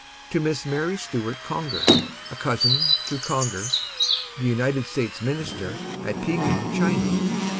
to Miss Mary Stuart Conger, a cousin to Conger, the United States Minister at Pekin, China.